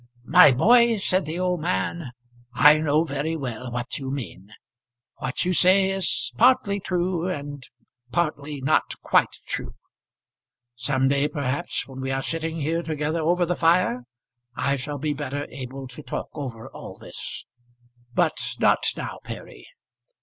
"My boy," said the old man, "I know very well what you mean. What you say is partly true, and partly not quite true. Some day, perhaps, when we are sitting here together over the fire, I shall be better able to talk over all this; but not now, Perry.